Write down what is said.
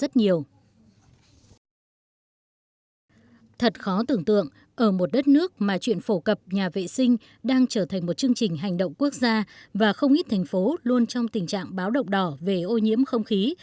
thật khó tưởng tượng ở một đất nước mà chuyện phổ cập nhà vệ sinh đang trở thành một chương trình hành động quốc gia và không ít thành phố luôn trong tình trạng báo động đỏ về ô nhiễm không khí